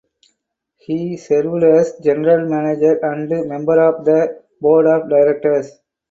He served as General Manager and member of the board of directors.